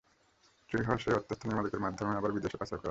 চুরি হওয়া সেই অর্থ স্থানীয় মালিকের মাধ্যমে আবার বিদেশে পাচার করা হয়।